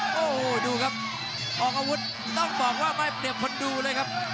โอ้โหดูครับออกอาวุธต้องบอกว่าไม่เปรียบคนดูเลยครับ